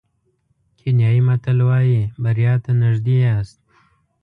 کینیايي متل وایي بریا ته نژدې یاست.